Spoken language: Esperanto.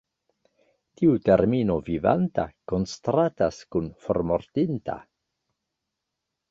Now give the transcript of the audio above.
Tiu termino "vivanta" kontrastas kun "formortinta".